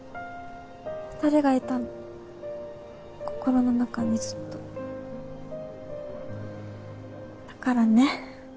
２人がいたの心の中にずっとだからね